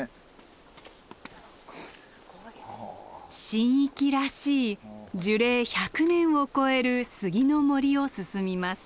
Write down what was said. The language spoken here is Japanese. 神域らしい樹齢１００年を超える杉の森を進みます。